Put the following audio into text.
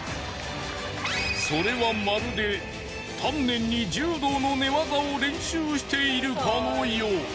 それはまるで丹念に柔道の寝技を練習しているかのよう。